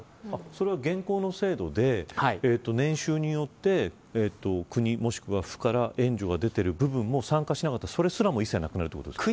それは現行の制度で年収によって国、もしくは府から援助が出ている部分も参加しなかったら援助がなくなるんですか。